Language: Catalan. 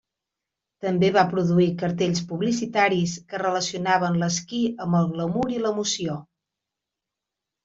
També va produir cartells publicitaris que relacionaven l'esquí amb el glamur i l'emoció.